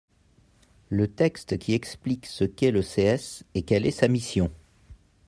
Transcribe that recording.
le texte qui explique ce qu'est le CS et quel est sa mission.